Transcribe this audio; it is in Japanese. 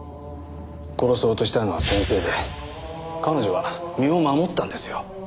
殺そうとしたのは先生で彼女は身を守ったんですよ。